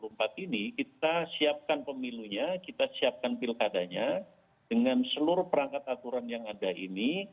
nah sementara ini menjelang dua ribu dua puluh empat ini kita siapkan pemilunya kita siapkan pilkadanya dengan seluruh perangkat aturan yang ada ini